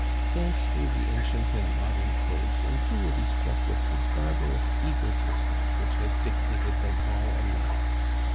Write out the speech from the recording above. Glance through the ancient and modem codes, and you will be struck with the barbarous egotism which has dictated them all alike.